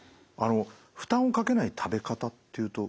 負担をかけない食べ方っていうと。